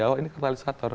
andi awal ini kertalisator